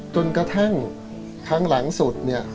จนกระทั่งครั้งหลังสุด